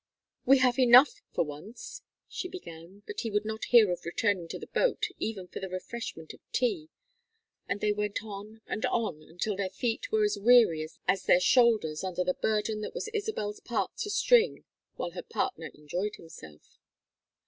"We have enough for once," she began, but he would not hear of returning to the boat even for the refreshment of tea, and they went on and on until their feet were as weary as their shoulders under the burden that was Isabel's part to string while her partner enjoyed himself.